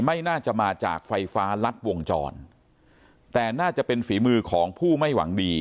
ไม่น่าจะมาจากไฟฟ้ารัดวงจรแต่น่าจะเป็นฝีมือของผู้ไม่หวังดี